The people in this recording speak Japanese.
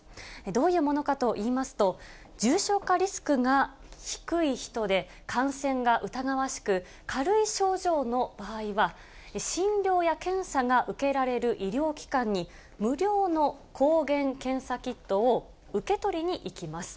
どういうものかといいますと、重症化リスクが低い人で、感染が疑わしく、軽い症状の場合は、診療や検査が受けられる医療機関に、無料の抗原検査キットを受け取りに行きます。